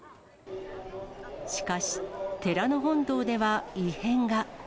しかし、寺の本堂では異変が。